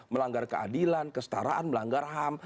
melanggar keadilan kestaraan melanggar ham